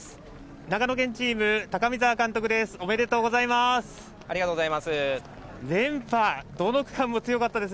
長野県チーム、高見澤監督です。